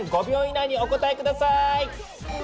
５秒以内にお答え下さい！